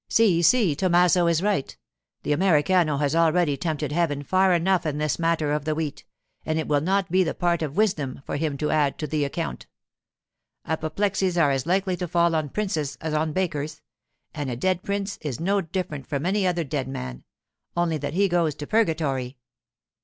'Si, si, Tommaso is right. The Americano has already tempted heaven far enough in this matter of the wheat, and it will not be the part of wisdom for him to add to the account. Apoplexies are as likely to fall on princes as on bakers, and a dead prince is no different from any other dead man—only that he goes to purgatory.